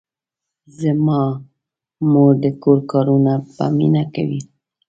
زما مور د کور کارونه په مینه کوي.